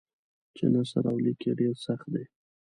چې نثر او لیک یې ډېر سخت دی.